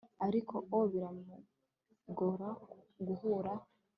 ariko, o, biramugora guhura